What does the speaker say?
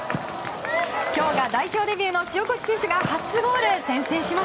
今日が代表デビューの塩越選手が初ゴール。